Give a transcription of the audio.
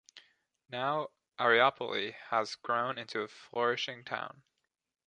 Now Areopoli has grown into a flourishing town.